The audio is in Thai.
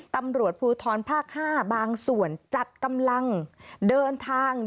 ตำรวจภูทรภาค๕บางส่วนจัดกำลังเดินทาง